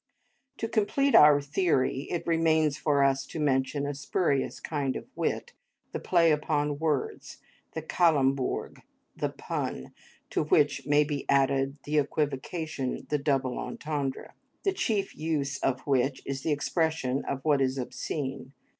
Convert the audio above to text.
To complete our theory it remains for us to mention a spurious kind of wit, the play upon words, the calembourg, the pun, to which may be added the equivocation, the double entendre, the chief use of which is the expression of what is obscene.